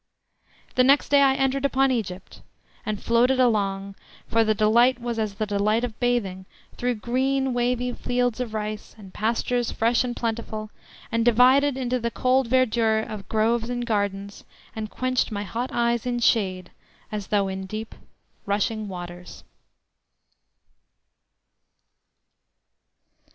The next day I entered upon Egypt, and floated along (for the delight was as the delight of bathing) through green wavy fields of rice, and pastures fresh and plentiful, and dived into the cold verdure of groves and gardens, and quenched my hot eyes in shade, as though in deep, rushing waters.